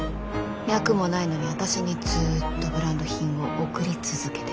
脈もないのに私にずっとブランド品を贈り続けてきた。